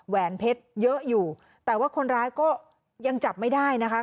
แหวนเพชรเยอะอยู่แต่ว่าคนร้ายก็ยังจับไม่ได้นะคะ